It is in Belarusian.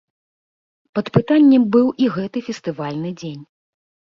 Пад пытаннем быў і гэты фестывальны дзень.